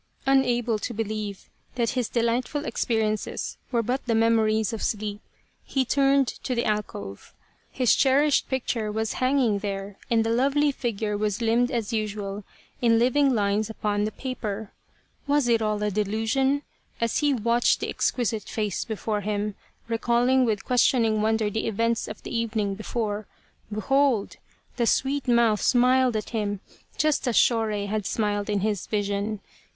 Unable to believe that his delightful experiences were but the memories of sleep he turned to the alcove. His cherished picture was hanging there and the lovely figure was limned as usual in living lines upon the paper. Was it all a delusion ? As he watched the exquisite face before him, recalling with questioning wonder the events of the evening before, behold ! 128 ^%?i t I . ^9.;,^ 1 . J5Sr f ."'; ~^^t> The Lady of the Picture the sweet mouth smiled at him, just as Shorei had smiled in his vision.